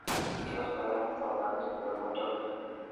Las críticas fueron favorables, pero no todas.